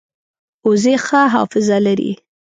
وزې ښه حافظه لري